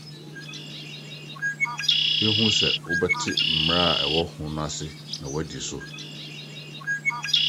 Hwɛ hu sɛ wobɛte mmara a ɛwɔ ho no ase na woadi so.